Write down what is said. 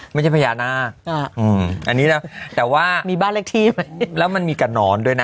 ไม่ใช่พญานาคอันนี้แล้วแต่ว่ามีบ้านเลขที่ไหมแล้วมันมีกระหนอนด้วยนะ